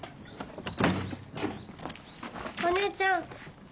お姉ちゃん。